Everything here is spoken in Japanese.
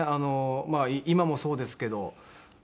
まあ今もそうですけど。